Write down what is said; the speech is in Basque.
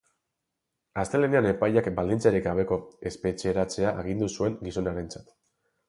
Astelehenean, epaileak baldintzarik gabeko espetxeratzea agindu zuen gizonarentzat.